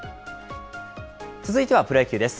続いてはプロ野球です。